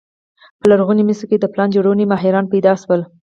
په لرغوني مصر کې د پلان جوړونې ماهران پیدا شول.